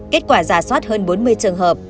kết quả giả soát hơn bốn mươi trường hợp